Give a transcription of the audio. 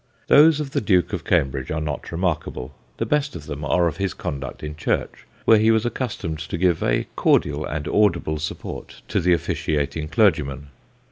Those of the Duke of Cambridge are not remarkable. The best of them are of his conduct in church, where he was accustomed to give a cordial and audible support to the officiating clergyman.